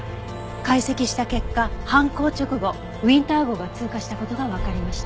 解析した結果犯行直後ウィンター号が通過した事がわかりました。